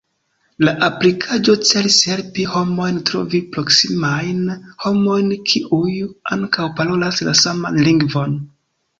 La aplikaĵo celis helpi homojn trovi proksimajn homojn kiuj ankaŭ parolas la saman lingvon.